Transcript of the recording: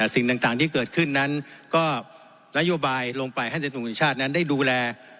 สิ่งต่างที่เกิดขึ้นนั้นก็นโยบายลงไปให้ในส่วนสุชาตินั้นได้ดูแล